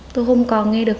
tôi không còn nghe được